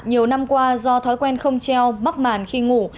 nhiều năm qua do thói quen không treo mắc màn khi ngủ